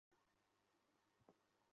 কিন্তু তার আগে আমি একটা বাউন্টি ঘোষণা করছি।